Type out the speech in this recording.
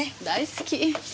大好き。